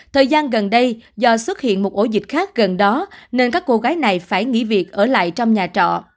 thời gian gần đây do xuất hiện một ổ dịch khác gần đó nên các cô gái này phải nghỉ việc ở lại trong nhà trọ